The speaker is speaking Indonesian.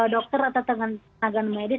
dokter atau tenaga medis